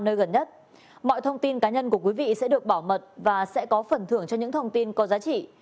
nơi gần nhất mọi thông tin cá nhân của quý vị sẽ được bảo mật và sẽ có phần thưởng cho những thông tin có giá trị